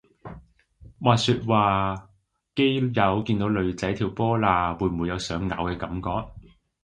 話說話基友見到女仔條波罅會唔會有想嘔嘅感覺？